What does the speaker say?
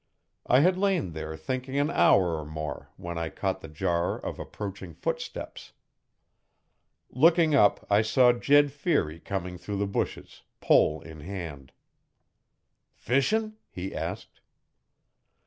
I had lain there thinking an hour or more when I caught the jar of approaching footsteps. Looking up I saw Jed Feary coming through the bushes, pole in hand. 'Fishin'?' he asked.